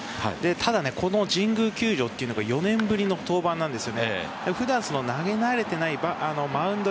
ただ、この神宮球場というのが４年ぶりの登板です。